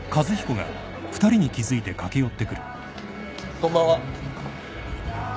こんばんは。